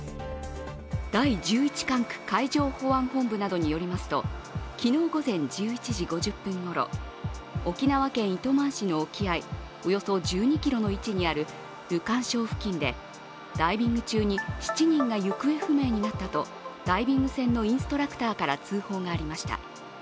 第十一管区海上保安本部などによりますと昨日午前１１時５０分ごろ沖縄県糸満市の沖合およそ１２ｋｍの位置にあるルカン礁付近でダイビング中に７人が行方不明になったとダイビング船のインストラクターから通報がありました。